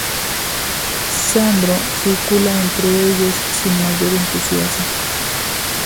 Sandro circula entre ellos sin mayor entusiasmo.